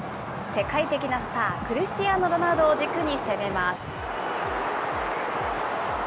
世界的なスター、クリスチアーノ・ロナウドを軸に攻めます。